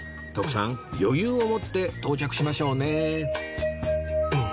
徳さん余裕を持って到着しましょうね